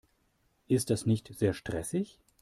Ist das nicht sehr stressig?